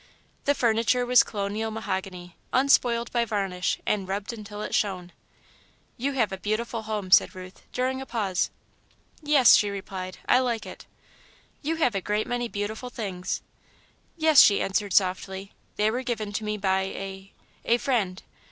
The furniture was colonial mahogany, unspoiled by varnish, and rubbed until it shone. "You have a beautiful home," said Ruth, during a pause. "Yes," she replied, "I like it." "You have a great many beautiful things." "Yes," she answered softly, "they were given to me by a a friend."